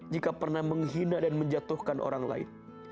jika pernah menghina dan menjatuhkan orang lain